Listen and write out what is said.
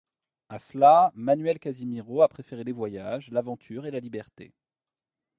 À cela, Manuel Casimiro a préféré les voyages, l’aventure et la liberté.